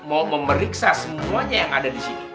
mau memeriksa semuanya yang ada disini